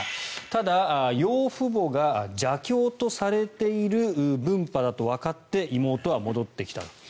ただ、養父母が邪教とされている分派だとわかって妹は戻ってきた。